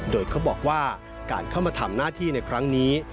โดยเขาบอกว่าการเข้ามาทำหน้าที่ในครั้งนี้